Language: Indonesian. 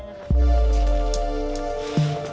energi matahari jadi faktor utama agar bisa kering sempurna